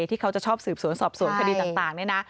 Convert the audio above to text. ที่เขาจะชอบสืบสวนสอบสวนคดีต่างนี่นะ